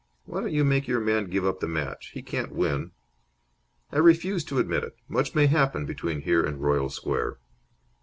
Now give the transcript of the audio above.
Why don't you make your man give up the match? He can't win." "I refuse to admit it. Much may happen between here and Royal Square."